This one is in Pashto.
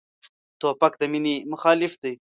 توپک د مینې مخالف دی.